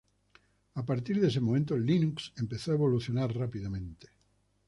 A partir de ese momento Linux empezó a evolucionar rápidamente.